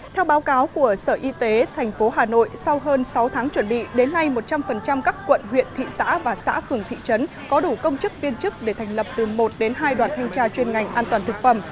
theo báo cáo của sở y tế tp hà nội sau hơn sáu tháng chuẩn bị đến nay một trăm linh các quận huyện thị xã và xã phường thị trấn có đủ công chức viên chức để thành lập từ một đến hai đoàn thanh tra chuyên ngành an toàn thực phẩm